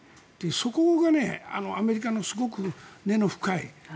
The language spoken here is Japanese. そこがアメリカのすごく根の深い。